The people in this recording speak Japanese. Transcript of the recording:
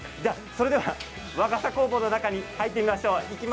それでは和傘工房の中に入ってみましょう。